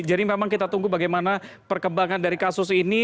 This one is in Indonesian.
jadi memang kita tunggu bagaimana perkembangan dari kasus ini